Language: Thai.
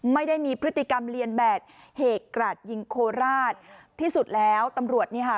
ไม่ได้มีพฤติกรรมเรียนแบบเหตุกราดยิงโคราชที่สุดแล้วตำรวจนี่ค่ะ